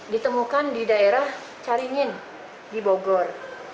ditemukan di daerah caringin di bogor